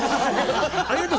ありがとう。